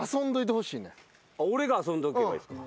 俺が遊んどけばいいっすか？